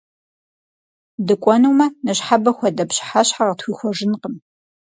ДыкӀуэнумэ, ныщхьэбэ хуэдэ пщыхьэщхьэ къытхуихуэжынкъым!